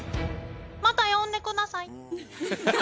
また呼んで下さい。